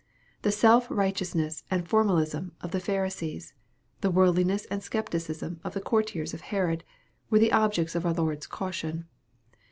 The self righteousness and formalism of the Pharisees the worldliness and scepticism of the courtiers of Herod, were the object of our Lord's caution.